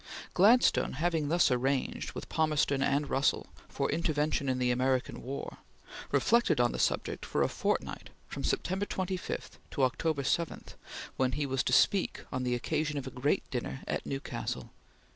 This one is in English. Gladstone having thus arranged, with Palmerston and Russell, for intervention in the American war, reflected on the subject for a fortnight from September 25 to October 7, when he was to speak on the occasion of a great dinner at Newcastle.